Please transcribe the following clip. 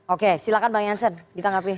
oke silakan bang jansen ditangkapi